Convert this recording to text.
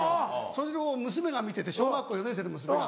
それを娘が見てて小学校４年生の娘が。